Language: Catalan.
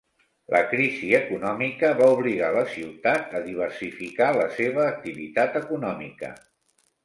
La crisi econòmica va obligar la ciutat a diversificar la seva activitat econòmica.